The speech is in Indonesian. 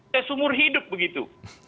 tes umur hidup begitu